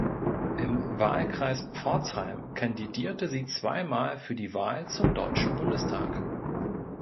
Im Wahlkreis Pforzheim kandidierte sie zweimal für die Wahl zum Deutschen Bundestag.